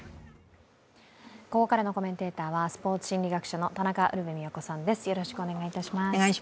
ここからのコメンテーターはスポーツ心理学者の田中ウルヴェ京さんです。